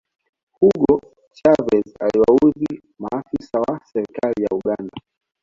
hugo chavez aliwaudhi maafisa wa serikali ya uganda